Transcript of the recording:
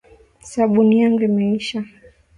Sabuni yangu imeisha